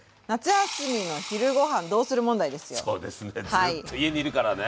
ずっと家にいるからね。